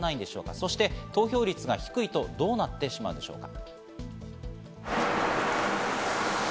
そして投票率が低いと、どうなってしまうのでしょうか。